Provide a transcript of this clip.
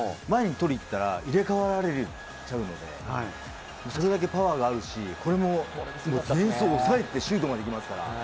前に取りに行ったら入れ替わられちゃうので、それだけパワーがあるし、ディフェンスを抑えてシュートまでいきますから。